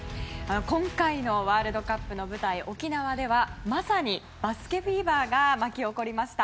今回のワールドカップの舞台、沖縄ではまさにバスケフィーバーがまき起こりました。